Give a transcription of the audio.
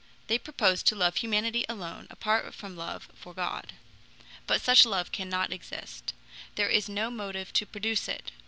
They propose love for humanity alone, apart from love for God. But such a love cannot exist. There is no motive to produce it.